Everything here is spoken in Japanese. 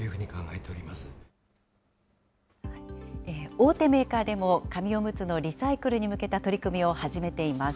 大手メーカーでも、紙おむつのリサイクルに向けた取り組みを始めています。